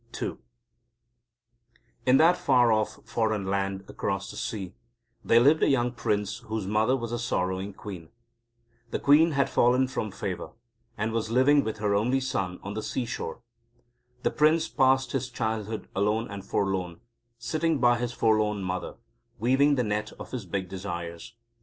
II In that far off foreign land across the sea, there lived a young Prince whose mother was a sorrowing queen. This queen had fallen from favour, and was living with her only son on the seashore. The Prince passed his childhood alone and forlorn, sitting by his forlorn mother, weaving the net of his big desires.